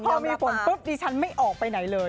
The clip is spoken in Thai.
เดี๋ยวฉันไม่ออกไปไหนเลย